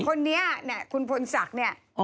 คนนี้เนี่ยคุณโรปนสักเนี่ย